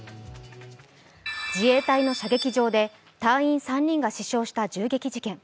自衛隊の射撃場で隊員３人が死傷した銃撃事件。